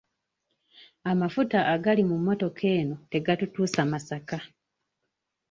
Amafuta agali mu mmotoka eno tegatutuusa Masaka.